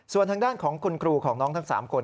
ส่วนทางด้านของคุณครูของน้องทั้ง๓คน